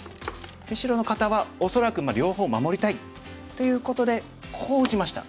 で白の方は恐らく両方守りたいということでこう打ちました。